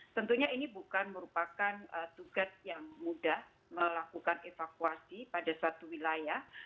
tentunya ini bukan merupakan tugas yang mudah melakukan evakuasi pada satu wilayah